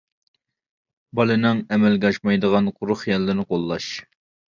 بالىنىڭ ئەمەلگە ئاشمايدىغان قۇرۇق خىياللىرىنى قوللاش.